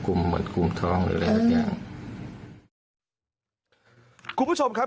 คุณผู้ชมครับ